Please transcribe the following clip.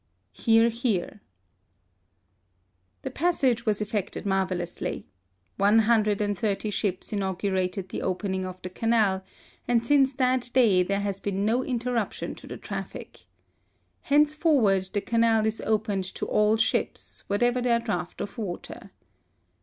(Hear, hear.) The passage was effected marvellously. One hundred and thirty ships inaugurated the opening of the Canal, and since that day ' there has been no interruption to the traffic. Henceforward the Canal is opened to all ships, whatever their draught of water.